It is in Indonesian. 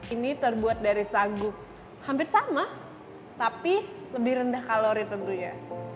ini terbuat dari sagu hampir sama tapi lebih rendah kalori tentunya